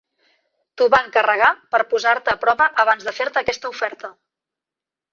T'ho va encarregar per posar-te a prova abans de fer-te aquesta oferta.